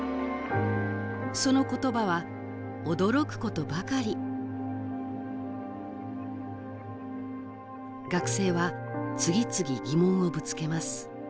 その言葉は驚く事ばかり学生は次々疑問をぶつけます